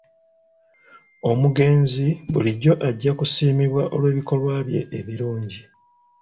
Omugenzi bulijjo ajja kusiimibwa olw'ebikolwa bye ebirungi.